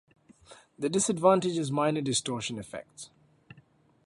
The disadvantage is minor distortion effects.